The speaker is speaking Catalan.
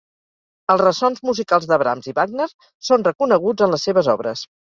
Els ressons musicals de Brahms i Wagner són reconeguts en les seves obres.